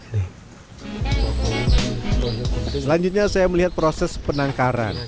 selanjutnya saya melihat proses penangkaran